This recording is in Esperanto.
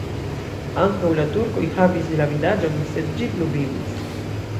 Ankaŭ la turkoj havis la vilaĝon, sed ĝi pluvivis.